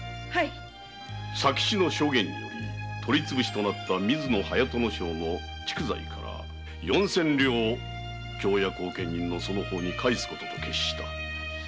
佐吉の証言により取りつぶしとなった水野隼人正の蓄財から四千両を京屋後継人のその方に返す事に決した。